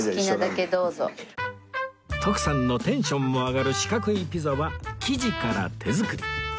徳さんのテンションも上がる四角いピザは生地から手作り